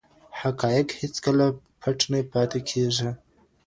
حقایق هیڅکله پټ نه پاتې کیږي.